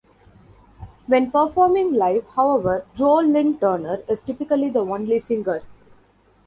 When performing live, however, Joe Lynn Turner is typically the only singer.